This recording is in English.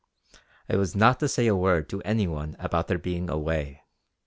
I was not to say a word to any one about their being away.